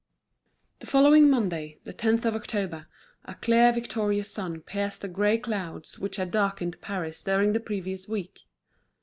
The following Monday, the 10th of October, a clear, victorious sun pierced the grey clouds which had darkened Paris during the previous week.